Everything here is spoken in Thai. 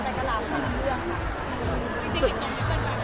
พี่เอ็มเค้าเป็นระบองโรงงานหรือเปลี่ยนไงครับ